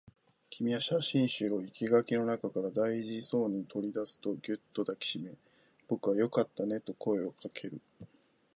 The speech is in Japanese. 君は写真集を生垣の中から大事そうに取り出すと、ぎゅっと抱きしめ、僕はよかったねと声をかける